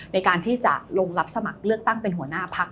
ในการที่จะลงรับสมัครเลือกตั้งเป็นหัวหน้าพัก